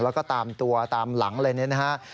แล้วก็ตามตัวตามหลังเลยนะครับ